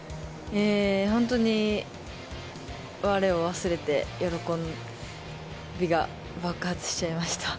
本当にわれを忘れて喜びが爆発しちゃいました。